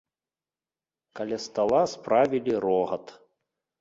Каля стала справілі рогат.